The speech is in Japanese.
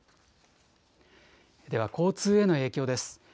では交通への影響です。